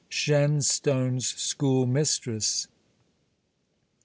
SHENSTONE'S SCHOOL MISTRESS.